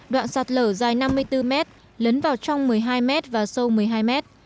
đoạn sạt lở dài năm mươi bốn mét lấn vào trong một mươi hai mét và sâu một mươi hai mét